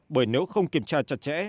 bởi nếu không kiểm tra chặt chẽ